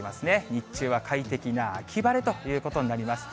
日中は快適な秋晴れということになります。